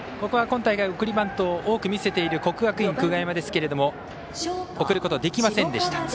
ここは今大会送りバントを多く見せている国学院久我山ですけれども送ることはできませんでした。